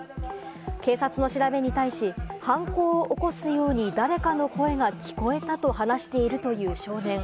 警察の調べに対し、犯行を起こすように誰かの声が聞こえたと話しているという少年。